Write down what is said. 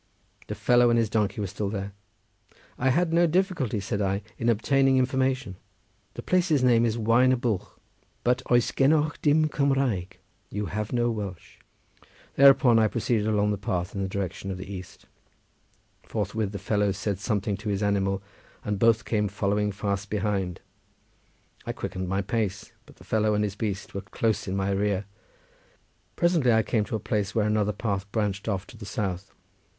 The fellow and his donkey were still there. "I had no difficulty," said I, "in obtaining information; the place's name is Waen y Bwlch. But oes genoch dim Cumraeg—you have no Welsh." Thereupon I proceeded along the path in the direction of the east. Forthwith the fellow said something to his animal, and both came following fast behind. I quickened my pace, but the fellow and his beast were close in my rear. Presently I came to a place where another path branched off to the south.